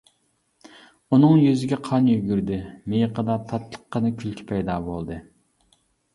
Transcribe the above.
ئۇنىڭ يۈزىگە قان يۈگۈردى، مىيىقىدا تاتلىققىنە كۈلكە پەيدا بولدى.